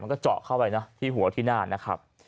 ก็เจาะเข้าไปนะที่หัวที่หน้านะครับ